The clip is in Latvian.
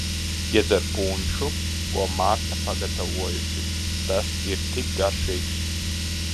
Iedzer punšu, ko Marta pagatavojusi, tas ir tik garšīgs.